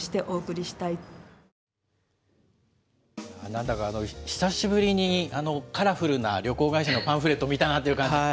なんだか久しぶりに、カラフルな旅行会社のパンフレット見たなっていう感じ。